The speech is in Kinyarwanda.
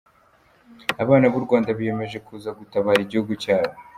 abana b'urwanda biyemeje kuza gutabara igihugu cyabo.